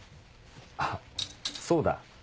あっそうだ。